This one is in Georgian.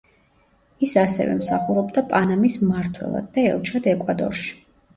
ის ასევე მსახურობდა პანამის მმართველად და ელჩად ეკვადორში.